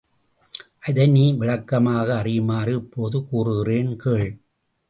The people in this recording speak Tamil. அதை நீ விளக்கமாக அறியுமாறு இப்போது கூறுகிறேன் கேள்.